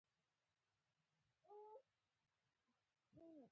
په ژوند کښي باید د هر مشکل سره مقاومت وکو.